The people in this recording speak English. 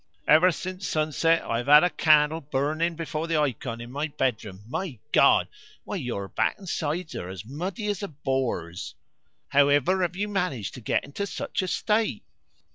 Ever since sunset I have had a candle burning before the ikon in my bedroom. My God! Why, your back and sides are as muddy as a boar's! However have you managed to get into such a state?"